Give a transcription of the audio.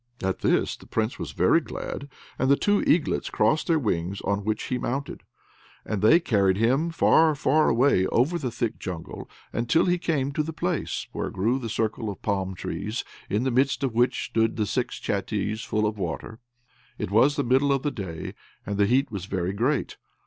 At this the Prince was very glad, and the two eaglets crossed their wings, on which he mounted; and they carried him far, far away over the thick jungles, until he came to the place where grew the circle of palm trees, in the midst of which stood the six chattees full of water. It was the middle of the day, and the heat was very great.